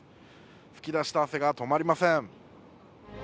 噴きだした汗が止まりません。